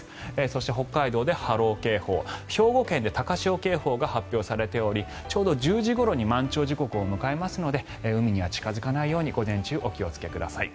そして、北海道で波浪警報兵庫県で高潮警報が発表されておりちょうど１０時ごろに満潮時刻を迎えますので海には近付かないように午前中、お気をつけください。